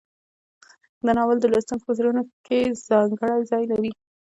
دا ناول د لوستونکو په زړونو کې ځانګړی ځای لري.